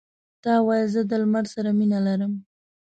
تا ویل زه د لمر سره مینه لرم.